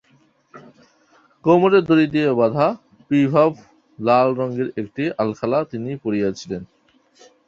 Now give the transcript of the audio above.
কোমরে দড়ি দিয়া বাঁধা পীতাভ লাল রঙের একটি আলখাল্লা তিনি পরিয়াছিলেন।